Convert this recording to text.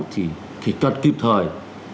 thì cần kịp thời